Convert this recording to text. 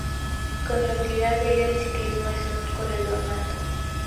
Con su actividad diaria de ciclismo es un corredor nato